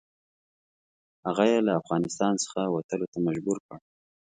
هغه یې له افغانستان څخه وتلو ته مجبور کړ.